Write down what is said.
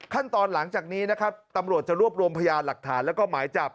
หลังจากนี้นะครับตำรวจจะรวบรวมพยานหลักฐานแล้วก็หมายจับ